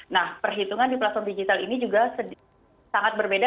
nah perhitungan di platform digital ini juga sangat berbeda